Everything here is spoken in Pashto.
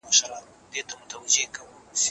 ولې ځینې خلک په یخو اوبو کې ښه پاتې کېږي؟